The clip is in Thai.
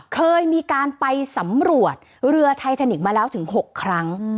เคยมีการไปสำรวจเรือไททานิกมาแล้วถึง๖ครั้ง